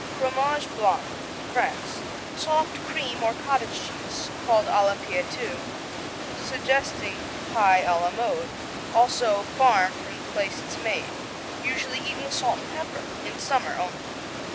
Fromage Blanc France Soft cream or cottage cheese, called à la Pie, too, suggesting pie à la mode; also Farm from the place it's made. Usually eaten with salt and pepper, in summer only.